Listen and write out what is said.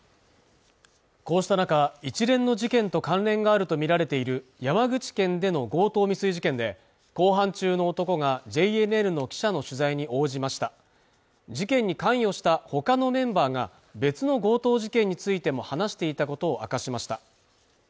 こうした中、一連の事件と関連があると見られている山口県での強盗未遂事件で公判中の男がＪＮＮの記者の取材に応じました事件に関与したほかのメンバーが別の強盗事件についても話していたことを明かしました